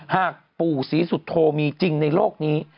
หากปู่ศรีสุโธมีจริงในโลกนี้